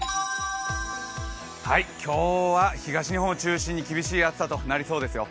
今日は東日本を中心に厳しい暑さとなりそうですよ。